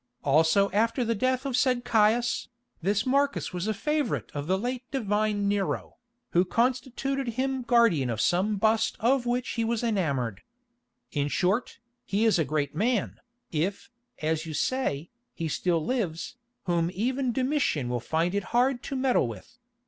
Also after the death of the said Caius, this Marcus was a favourite of the late divine Nero, who constituted him guardian of some bust of which he was enamoured. In short, he is a great man, if, as you say, he still lives, whom even Domitian will find it hard to meddle with.